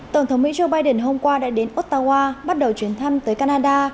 tổng thống mỹ joe biden hôm qua đã đến ottawa bắt đầu chuyến thăm tới canada